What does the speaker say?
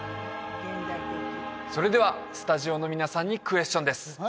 それではスタジオの皆さんにクエスチョンです